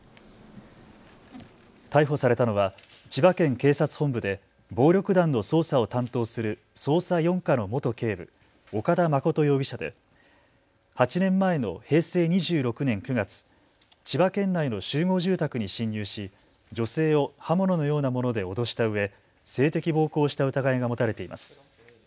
逮捕されたのは千葉県警察本部で暴力団の捜査を担当する捜査４課の元警部、岡田誠容疑者で、８年前の平成２６年９月、千葉県内の集合住宅に侵入し女性を刃物のようなもので脅したうえ性的暴行をした疑いが持たれています。